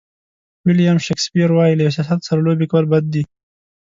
ویلیام شکسپیر وایي له احساساتو سره لوبې کول بد دي.